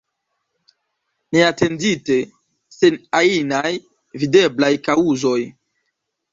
Neatendite, sen ajnaj videblaj kaŭzoj.